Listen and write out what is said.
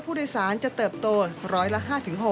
ผู้โดยสารจะเติบโตร้อยละ๕๖๐